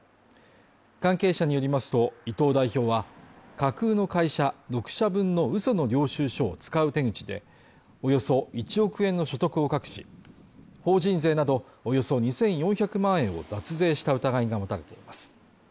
関係者によりますと、伊藤代表は、架空の会社６社分のうその領収書を使う手口でおよそ１億円の所得を隠し、法人税などおよそ２４００万円を脱税した疑いが持たれています。